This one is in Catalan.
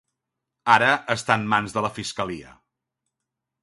Ara està en mans de la Fiscalia.